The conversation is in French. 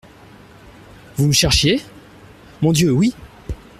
Vous me cherchiez ? Mon Dieu, oui.